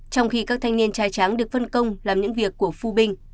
trong khi các thanh niên trai tráng được phân công làm những việc của phu binh